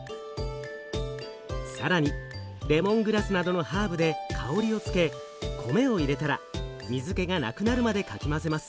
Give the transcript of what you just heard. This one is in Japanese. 更にレモングラスなどのハーブで香りをつけ米を入れたら水けがなくなるまでかき混ぜます。